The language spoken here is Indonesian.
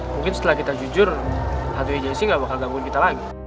mungkin setelah kita jujur hatunya jessi ga bakal gabungin kita lagi